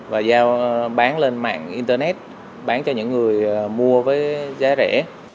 và giao bán lên mạng internet bán cho những người mua với giá rẻ